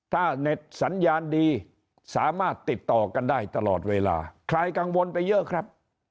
ถ้าเน็ตสัญญาณดีสามารถติดต่อกันได้ตลอดเวลาใครกังวลไปเยอะครับ